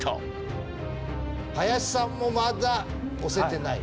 林さんもまだ押せてないと。